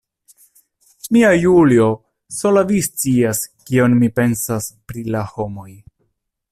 Mia Julio, sola vi scias, kion mi pensas pri la homoj.